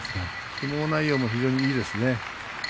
相撲内容も非常にいいですね。